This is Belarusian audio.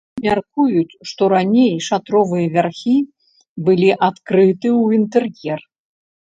Мяркуюць, што раней шатровыя вярхі былі адкрыты ў інтэр'ер.